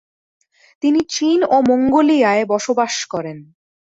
তিনি চীন ও মঙ্গোলিয়ায় বসবাস করেন।